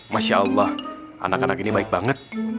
masya allah anak anak ini baik banget